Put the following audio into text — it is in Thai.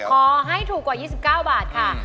ขอให้ถูกกว่า๒๙บาทค่ะ